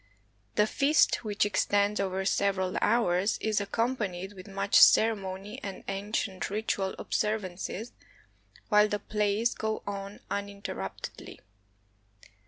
The feast, which extends over several hours, is accompanied with much ceremony and ancient ritual observances, while the plays go on uninterruptedly.